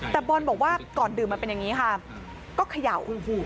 แต่บอลบอกว่าก่อนดื่มมันเป็นอย่างนี้ค่ะก็เขย่าโอ้โห